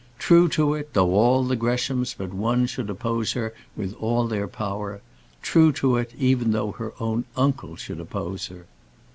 True to it, though all the Greshams but one should oppose her with all their power; true to it, even though her own uncle should oppose her.